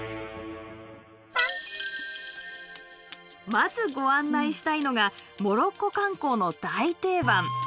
まずご案内したいのがモロッコ観光の大定番。